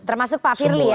termasuk pak firly ya